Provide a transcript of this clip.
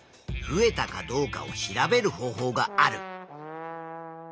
増えたかどうかを調べる方法がある。